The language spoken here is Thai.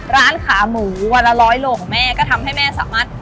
ร้านขาหมูวันละร้อยโลของแม่ก็ทำให้แม่สามารถ